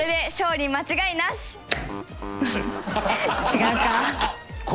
違うか。